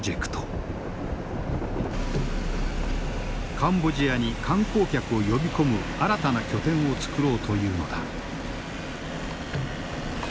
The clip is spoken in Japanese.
カンボジアに観光客を呼び込む新たな拠点をつくろうというのだ。